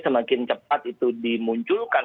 semakin cepat itu dimunculkan